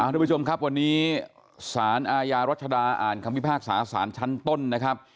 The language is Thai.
ทุกผู้ชมครับวันนี้สารอาญารัชดาอ่านคำพิพากษาสารชั้นต้นนะครับ